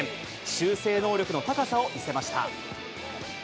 修正能力の高さを見せました。